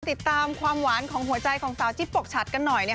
ติดตามความหวานของหัวใจของสาวจิ๊บปกฉัดกันหน่อย